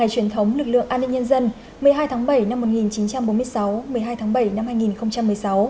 truyền thống lực lượng an ninh nhân dân một mươi hai tháng bảy năm một nghìn chín trăm bốn mươi sáu một mươi hai tháng bảy năm hai nghìn một mươi sáu